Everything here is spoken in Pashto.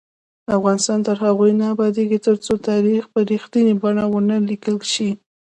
افغانستان تر هغو نه ابادیږي، ترڅو تاریخ په رښتینې بڼه ونه لیکل شي.